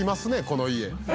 この家。